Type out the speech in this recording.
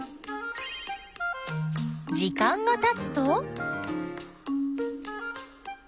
時間がたつと。